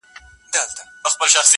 • یو څه به پند وي یو څه عبرت دی -